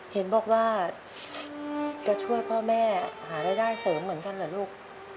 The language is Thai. เห็นบอกว่าจะช่วยพ่อแม่หารายได้เสริมเหมือนกันเหรอลูก